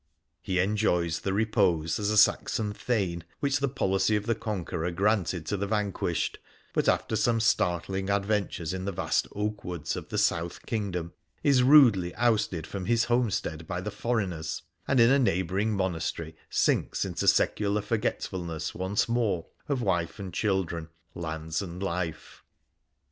He enjoys the repose, as a Saxon thane, which the policy of the Conqueror granted to the vanquished ; but after some startling adventures in the vast oak woods of the South king dom is rudely ousted from his homestead by the ' foreigners,' and in a neighbouring monastery sinks into secular forgetful ness once more of wife and children, lands and life.